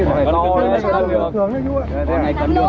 người đó bảo cân này cân đường